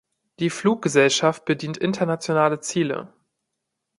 Die Fluggesellschaft bedient internationale Ziele.